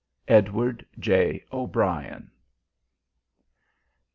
EDWARD J. O'BRIEN.